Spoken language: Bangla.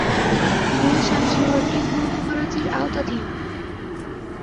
গুলশান শহরটি পূর্ব করাচির আওতাধীন।